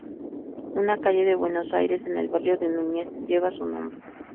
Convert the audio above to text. Una calle de Buenos Aires, en el barrio de Núñez, lleva su nombre.